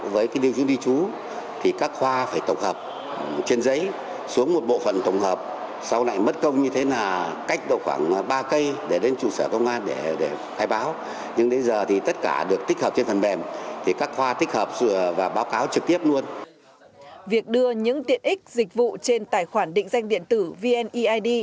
việc đưa những tiện ích dịch vụ trên tài khoản định danh điện tử vneid